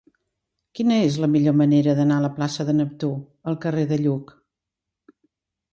Quina és la millor manera d'anar de la plaça de Neptú al carrer de Lluc?